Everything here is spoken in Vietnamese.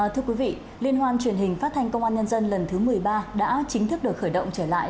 thưa quý vị liên hoan truyền hình phát thanh công an nhân dân lần thứ một mươi ba đã chính thức được khởi động trở lại